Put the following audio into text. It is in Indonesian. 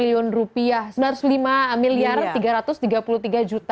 wow hampir satu triliun ya